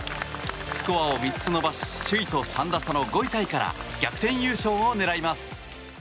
スコアを３つ伸ばし首位と３打差の５位タイから逆転優勝を狙います。